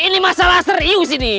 ini masalah serius ini